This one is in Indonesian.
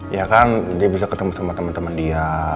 ya kan dia bisa ketemu sama temen temen dia